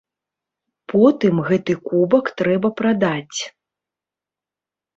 Потым гэты кубак трэба прадаць.